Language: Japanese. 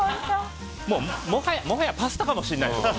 もはやパスタかもしれないです。